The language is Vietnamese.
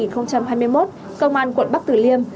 công an quận bắc tử liêm